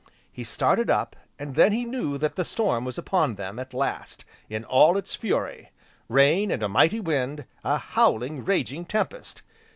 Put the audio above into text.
He started up, and then he knew that the storm was upon them, at last, in all its fury, rain, and a mighty wind, a howling raging tempest.